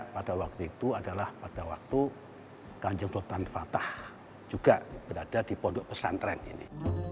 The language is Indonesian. pada waktu itu adalah pada waktu ganjeng rotan fatah juga berada di pondok pesantren ini